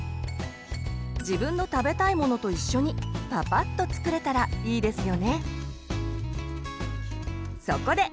自分の食べたいものと一緒にパパッと作れたらいいですよね。